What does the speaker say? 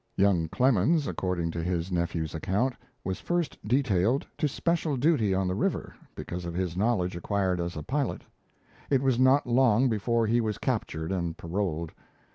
Young Clemens, according to his nephew's account, was first detailed to special duty on the river because of his knowledge acquired as a pilot; it was not long before he was captured and paroled.